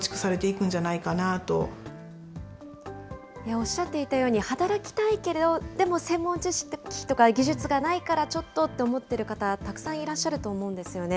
おっしゃっていたように、働きたいけれど、でも専門知識とか技術がないからちょっとと思っている方、たくさんいらっしゃると思うんですよね。